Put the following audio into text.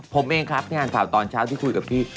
ผมเองครับงานข่าวตอนเช้าที่คุยกับพี่